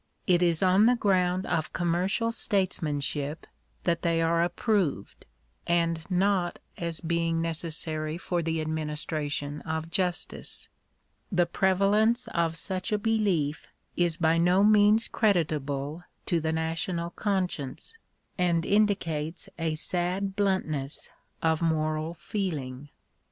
It is on the ground of commercial statesmanship that they are approved ; and not as being necessary for the administration of justice. The prevalence of such a belief is by no means creditable to the national conscience, and indicates a sad bluntness of moral feeling.